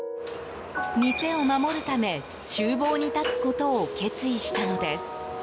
店を守るため厨房に立つことを決意したのです。